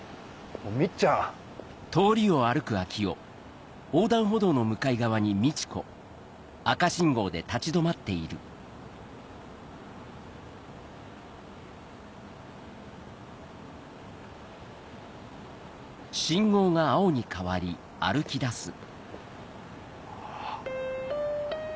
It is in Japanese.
みっちゃんあっ！